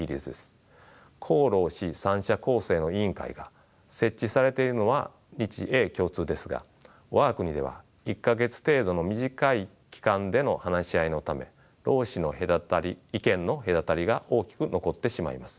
公労使三者構成の委員会が設置されているのは日英共通ですが我が国では１か月程度の短い期間での話し合いのため労使の意見の隔たりが大きく残ってしまいます。